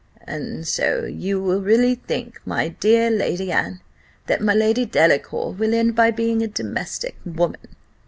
"And so you really think, my dear Lady Anne, that my Lady Delacour will end by being a domestic woman.